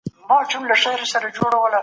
انسانی روح هیڅکله په بشپړ ډول نه راضي کیږي.